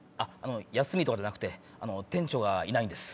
休みとかじゃなくて店長がいないんです。